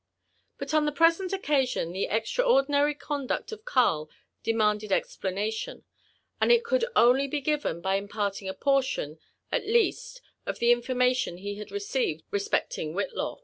But on the present occasion the extraordinary conduct of Earl demanded explanation, and it could only be given by imparting a portion at least of the information he had received respect* ing Whillaw.